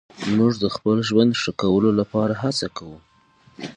موږ د خپل ژوند ښه کولو لپاره هڅه کوو.